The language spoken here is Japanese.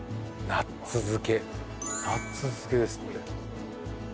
ナッツ漬けですって。